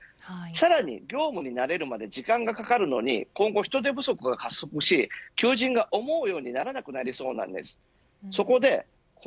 さらに業務に慣れるまで時間がかかるのに今後、人手不足が加速し、求人が思うようにならなくなりそうです。